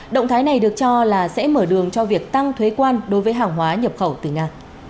động thái này được cho là sẽ mở đường cho việc tăng thuế quan đối với hàng hóa nhập khẩu từ nga